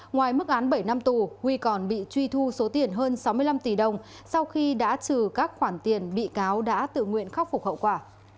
ngoài mức án bảy năm tù huy còn bị truy thu số tiền hơn sáu mươi năm tỷ đồng sau khi đã trừ các khoản tiền bị cáo đã tự nguyện khắc phục hậu quả